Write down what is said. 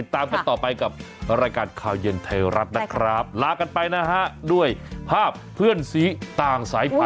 ตามกันต่อไปกับรายการข่าวเย็นไทยรัฐนะครับลากันไปนะฮะด้วยภาพเพื่อนสีต่างสายพันธ